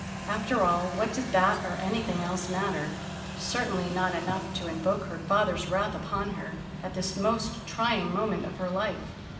After all, what did that or anything else matter? Certainly not enough to invoke her father's wrath upon her at this most trying moment of her life.